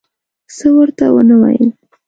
څه ورته ونه ویل.